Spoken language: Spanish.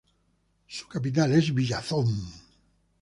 Su capital es Villazón.